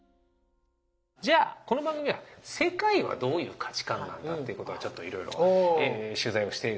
じゃあこの番組は世界はどういう価値観なんだってことをちょっといろいろ取材をしているので。